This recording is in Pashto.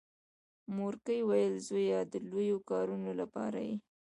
مورکۍ ویل زويه د لويو کارونو لپاره یې.